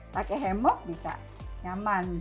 pakai hemok bisa nyaman